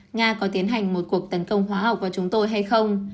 nga có tiến hành một cuộc tấn công hóa học vào chúng tôi hay không